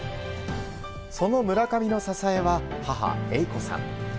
その村上の支えは母・英子さん。